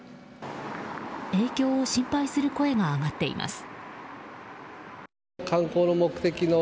影響を心配する声が上がっています。